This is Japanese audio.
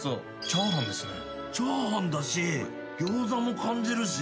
チャーハンだしギョーザも感じるし。